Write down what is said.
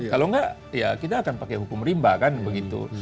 kalau enggak ya kita akan pakai hukum rimba kan begitu